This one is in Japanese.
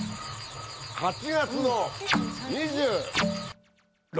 ８月の２６。